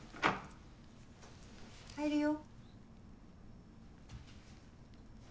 入るよ。